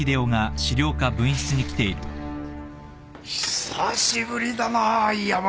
久しぶりだな山内。